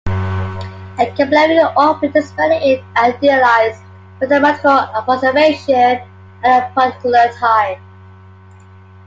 A Keplerian orbit is merely an idealized, mathematical approximation at a particular time.